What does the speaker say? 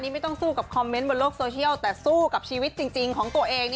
ไม่ต้องสู้กับคอมเมนต์บนโลกโซเชียลแต่สู้กับชีวิตจริงของตัวเอง